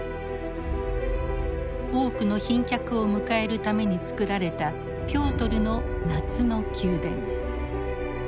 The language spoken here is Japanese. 多くの賓客を迎えるためにつくられたピョートルの夏の宮殿。